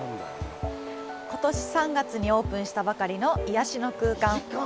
ことし３月にオープンしたばかりの癒やしの空間。